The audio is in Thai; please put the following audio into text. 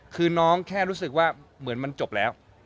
คือน้องแค่รู้สึกว่าเหมือนมันจบแล้ว